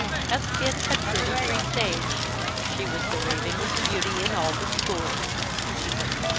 As Kid had truly presaged, she was the ravingest beauty in all the school.